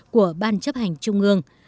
của ban chấp hành trung ương